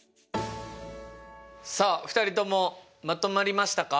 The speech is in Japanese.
さあ２人ともまとまりましたか？